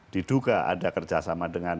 diduga ada kerjasama dengan